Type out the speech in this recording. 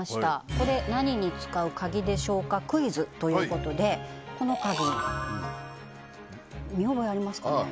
これ何に使う鍵でしょうかクイズということでこの鍵見覚えありますか？